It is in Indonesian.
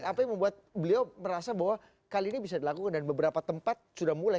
apa yang membuat beliau merasa bahwa kali ini bisa dilakukan dan beberapa tempat sudah mulai